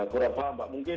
ya saya paham mbak